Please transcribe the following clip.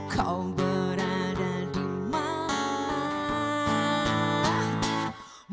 kau berada dimana